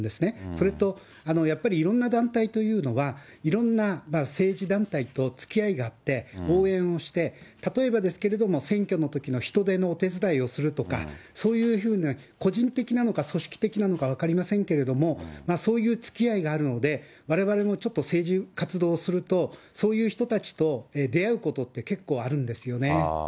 それとやっぱり、いろんな団体というのは、いろんな政治団体とつきあいがあって、応援をして、例えばですけれども、選挙のときの人手のお手伝いをするとか、そういうふうな個人的なのか、組織的なのか分かりませんけれども、そういうつきあいがあるので、われわれもちょっと政治活動をすると、そういう人たちと出会うことって、結構あるんですよね。